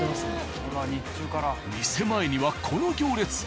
店前にはこの行列。